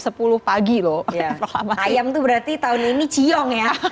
sama ayam tuh berarti tahun ini ciong ya